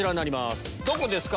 どこですか？